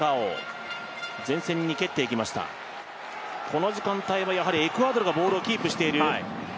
この時間帯はエクアドルがボールをキープしている。